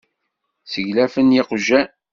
Seglafen yeqjan.